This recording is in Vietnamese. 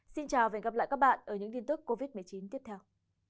xin chào và hẹn gặp lại các bạn ở những tin tức covid một mươi chín tiếp theo